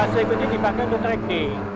berikutnya dipakai untuk track day